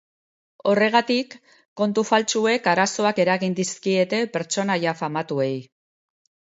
Horregatik, kontu faltsuek arazoak eragin dizkiete pertsonaia famatuei.